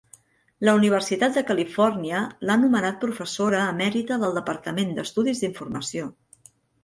La Universitat de Califòrnia l'ha nomenat Professora Emèrita del departament d'Estudis d'Informació.